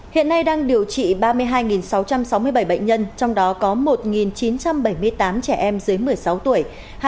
hiện nay đang điều trị ba mươi hai sáu trăm sáu mươi bảy bệnh nhân trong đó có một chín trăm bảy mươi tám trẻ em dưới một mươi sáu tuổi